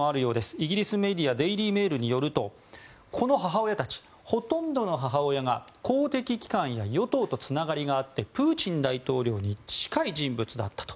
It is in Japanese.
イギリスメディアデイリー・メールによるとこの母親たち、ほとんどの母親が公的機関や与党とつながりがあってプーチン大統領に近い人物だったと。